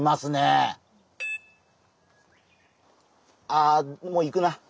ああもういくな。